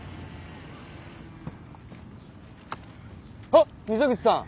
あっ溝口さん！